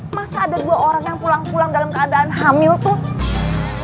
masa ada dua orang yang pulang pulang dalam keadaan hamil tuh